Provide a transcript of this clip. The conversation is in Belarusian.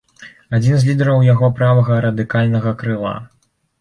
Адзін з лідараў яго правага радыкальнага крыла.